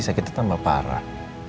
sakitnya tambah parah